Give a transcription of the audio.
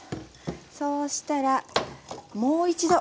そうしたらもう一度。